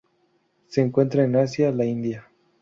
Se encuentran en Asia: la India.